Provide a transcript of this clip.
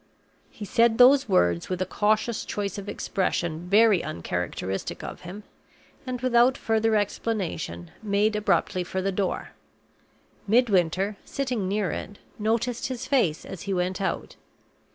He said those words with a cautious choice of expression very uncharacteristic of him, and, without further explanation, made abruptly for the door. Midwinter, sitting near it, noticed his face as he went out.